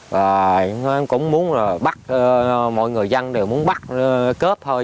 và cũng muốn bắt mọi người dân đều muốn bắt cướp thôi